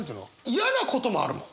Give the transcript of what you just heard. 嫌なこともあるもん！